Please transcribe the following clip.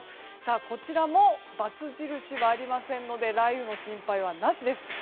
こちらも罰印はありませんので雷雨の心配はなしです。